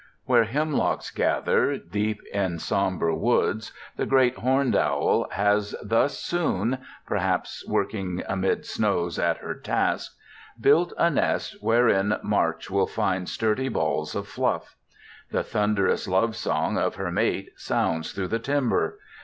Where hemlocks gather, deep in somber woods, the great horned owl has thus soon, perhaps working amid snows at her task, built a nest wherein March will find sturdy balls of fluff. The thunderous love song of her mate sounds through the timber.